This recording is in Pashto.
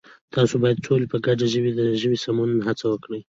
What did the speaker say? تاسو بايد ټول په گډه د ژبې د سمون هڅه وکړئ!